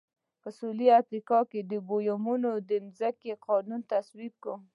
په سوېلي افریقا کې د بومیانو د ځمکو قانون تصویب شو.